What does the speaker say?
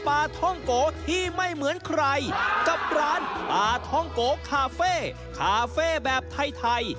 อาทองโกคาเฟะคาเฟ่แบบไทย